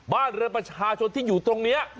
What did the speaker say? บ้านเรือนประชาชนที่อยู่ตรงนี้